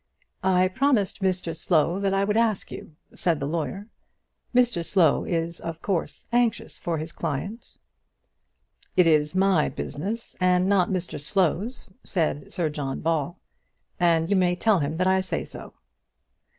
"I promised Mr Slow that I would ask you," said the lawyer. "Mr Slow is of course anxious for his client." "It is my business and not Mr Slow's," said Sir John Ball, "and you may tell him that I say so."